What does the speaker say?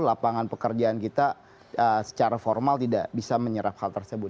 lapangan pekerjaan kita secara formal tidak bisa menyerap hal tersebut